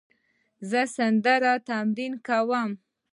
زه د سندرې تمرین کوم.